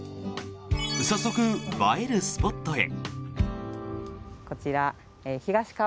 早速、映えるスポットへ。